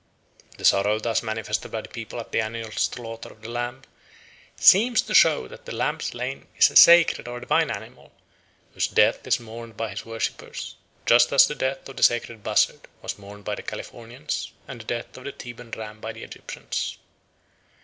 The sorrow thus manifested by the people at the annual slaughter of the lamb seems to show that the lamb slain is a sacred or divine animal, whose death is mourned by his worshippers, just as the death of the sacred buzzard was mourned by the Californians and the death of the Theban ram by the Egyptians.